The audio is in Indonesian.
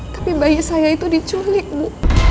tapi bayi saya itu diculik bu